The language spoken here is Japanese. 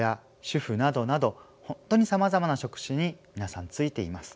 主婦などなど本当にさまざまな職種に皆さん就いています。